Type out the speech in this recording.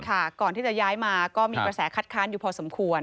ก่อนที่จะย้ายมาก็มีกระแสคัดค้านอยู่พอสมควร